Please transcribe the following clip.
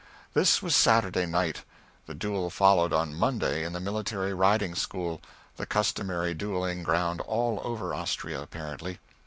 This was Saturday night. The duel followed on Monday, in the military riding school the customary duelling ground all over Austria, apparently.